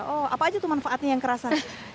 oh apa aja tuh manfaatnya yang kerasa